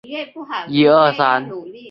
纹状体是端脑皮质下的一部份。